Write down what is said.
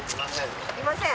いません。